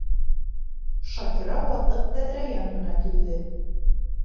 Шакира ватыҡ тәҙрә янына килде.